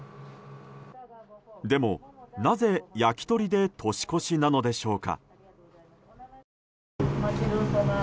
でも、なぜ焼き鳥で年越しなのでしょうか。